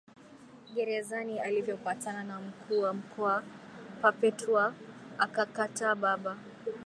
gerezani alivyopatana na mkuu wa mkoa Perpetua akakataa Baba